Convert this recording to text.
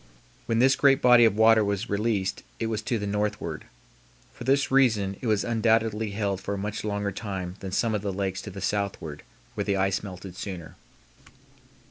When this great body of water was released it was to the northward. For this reason it was undoubtedly held for a much longer time than some of the lakes to the southward where the ice melted sooner.